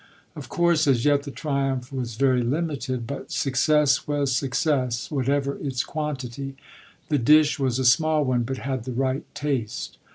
Of course as yet the triumph was very limited; but success was success, whatever its quantity; the dish was a small one but had the right taste.